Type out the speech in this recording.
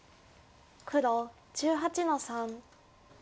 黒１８の三。